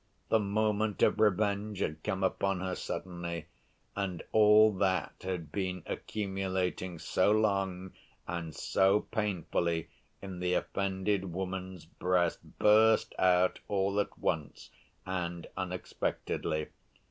The moment of revenge had come upon her suddenly, and all that had been accumulating so long and so painfully in the offended woman's breast burst out all at once and unexpectedly.